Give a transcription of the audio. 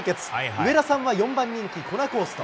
上田さんは４番人気、コナコースト。